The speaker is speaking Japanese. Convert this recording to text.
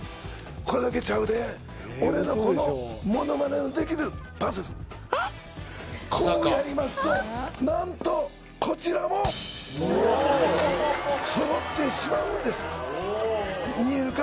これだけちゃうで俺のこのものまねのできるパズルこうやりますとなんとこちらもそろってしまうんです見えるか？